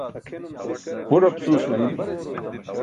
buṭ apsuus manimi